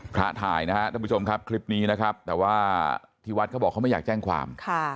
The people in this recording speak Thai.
ถ่ายนะครับท่านผู้ชมครับคลิปนี้นะครับแต่ว่าที่วัดเขาบอกเขาไม่อยากแจ้งความ